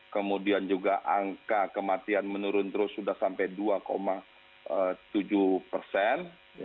kemudian juga angka kematian menurun terus sudah sampai dua tujuh persen